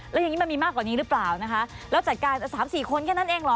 แล้วอย่างนี้มันมีมากกว่านี้หรือเปล่านะคะแล้วจัดการ๓๔คนแค่นั้นเองเหรอ